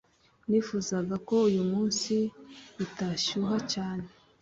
Nifuzaga ko uyu munsi bitashyuha cyane